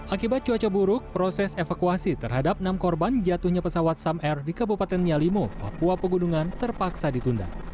akibat cuaca buruk proses evakuasi terhadap enam korban jatuhnya pesawat sam air di kabupaten yalimo papua pegunungan terpaksa ditunda